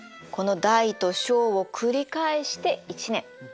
この大と小を繰り返して１年。